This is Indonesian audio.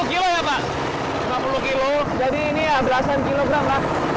jadi ini ya belasan kilogram lah